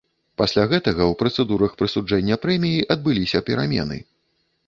Пасля гэтага ў працэдурах прысуджэння прэміі адбыліся перамены.